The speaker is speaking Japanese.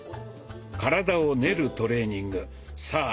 体を練るトレーニングさあ